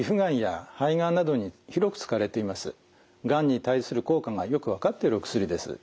がんに対する効果がよく分かっているお薬です。